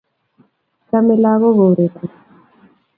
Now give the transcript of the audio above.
Chamei lagok kourerendos missing'